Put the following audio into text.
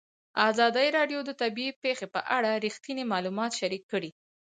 ازادي راډیو د طبیعي پېښې په اړه رښتیني معلومات شریک کړي.